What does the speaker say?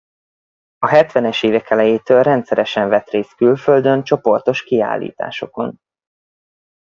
A hetvenes évek elejétől rendszeresen vett részt külföldön csoportos kiállításokon.